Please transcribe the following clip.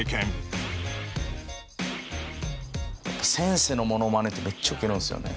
先生のモノマネってめっちゃウケるんですよね。